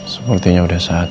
sepertinya udah saat